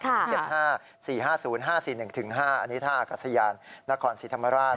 ๐๗๕๔๕๐๕๔๑๕อันนี้ท่ากาศยานนกรสีธรรมราช